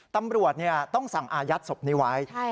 ตำรวจต้องสั่งอายัดศพนี้ไว้